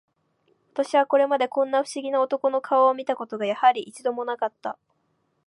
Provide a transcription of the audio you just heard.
私はこれまで、こんな不思議な男の顔を見た事が、やはり、一度も無かった